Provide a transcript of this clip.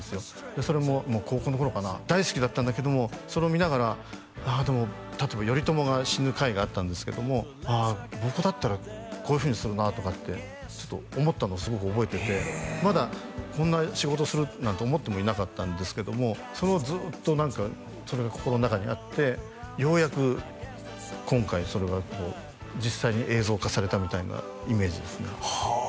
でそれももう高校の頃かな大好きだったんだけどもそれを見ながらああでも例えば頼朝が死ぬ回があったんですけどもああ僕だったらこういうふうにするなとかってちょっと思ったのをすごく覚えててまだこんな仕事するなんて思ってもいなかったんですけどもそれをずっと何かそれが心の中にあってようやく今回それがこう実際に映像化されたみたいなイメージですねはあ